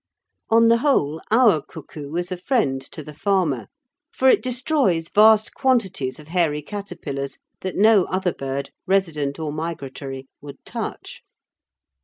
On the whole, our cuckoo is a friend to the farmer, for it destroys vast quantities of hairy caterpillars that no other bird, resident or migratory, would touch.